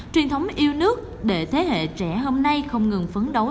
truyền thống yêu nước để thế hệ trẻ hôm nay không ngừng phấn đấu